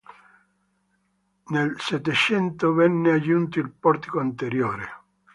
Nel Settecento venne aggiunto il portico anteriore.